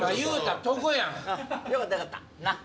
よかったよかったなっ！